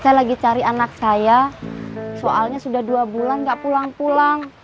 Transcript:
saya lagi cari anak saya soalnya sudah dua bulan gak pulang pulang